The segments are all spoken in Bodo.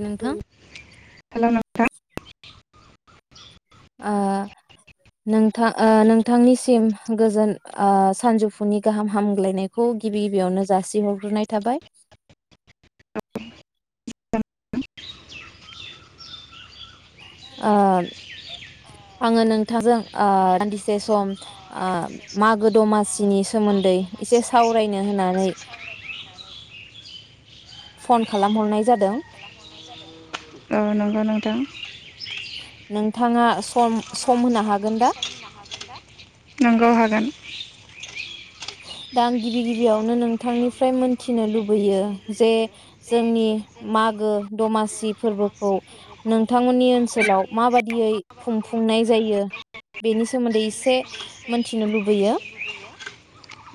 नोंथां हेलौ नोंथां ओ नोंथां ओ नोंथांनिसिम गोजोन आ सानजौफुनि गाहाम हामग्लायनायखौ गिबि गिबियावनो जासिहरग्रोनाय थाबाय। [unintelligible] ओ आङो नोंथांजों ओ दान्दिसे सम ओ मागो दमासिनि सोमोन्दै एसे सावरायनो होननानै फन खालाम हरनाय जादों । ओ नंगौ नोंथां । नोंथाङा सम सम होनो हागोन दा? नोंगौ हागोन । दा आं गिबि गिबियावनो नोंथांनिफ्राय मोनथिनो लुबैयो जे जोंनि मागो दमासि फोरबोखौ नोंथांमोननि ओनसोलाव माबादियै खुंफुंनाय जायो? बेनि सोमोन्दै एसे मोनथिनो लुबैयो ।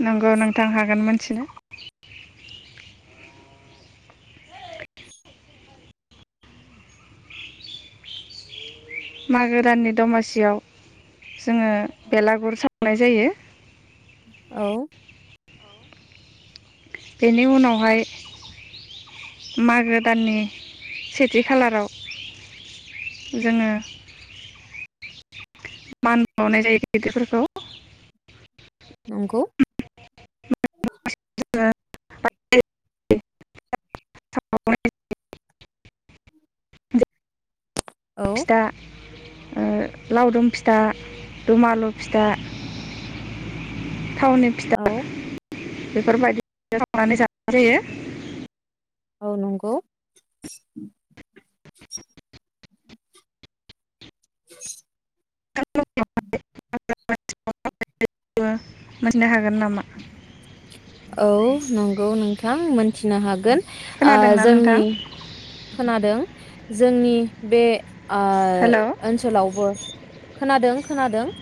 नोंगौ नोंथां हागोन मोन थिनो। मागो दाननि दमासियाव जोङो बेलागुर सावनाय जायो । औ। बेनि उनावहाय मागो दाननि सेथि खालाराव जोङो मान बावनाय जायो गिदिरफोरखौ । नंगौ। [unintelligible] औ फिथा ओ लावदुम फिथा दुमालु फिथा थावनि फिथा औ बेफोरबायदिनो सावनानै जानाय जायो । औ नंगौ । [inaudible] [unintelligible] औ नं गौ नोंथां मोनथिनो हागोन । ओ खोनादोंना जोंनि नोंथां खोनादों जोंनि बे ओ हेल' ओनसोलावबो खोनादों खोनादों ।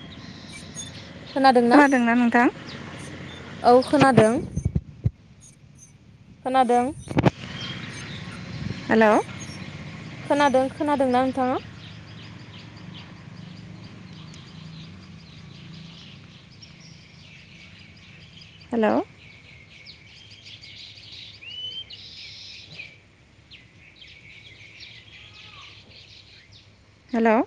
खोनादोंना नोंथां? औ खोनादों । खानादों । हेलौ खोनादों खोनादोंना नोंथाङा? Hello hello